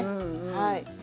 はい。